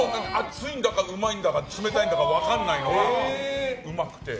熱いんだか、冷たいんだか分からないのがうまくて。